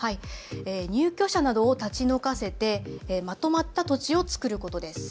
入居者などを立ち退かせてまとまった土地を作ることです。